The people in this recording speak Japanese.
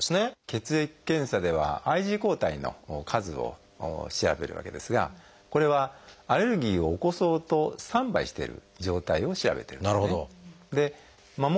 血液検査ではＩｇＥ抗体の数を調べるわけですがこれはアレルギーを起こそうとスタンバイしてる状態を調べてるんですね。